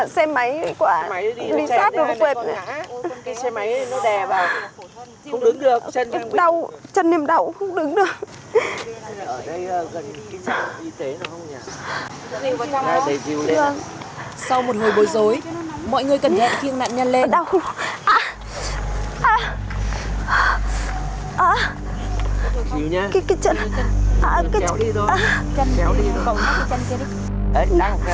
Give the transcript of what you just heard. sau một hồi bồi dối mọi người cần nhẹ khiêng nạn nhân lên